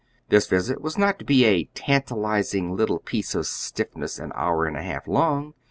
This visit was not to be a tantalizing little piece of stiffness an hour and a half long.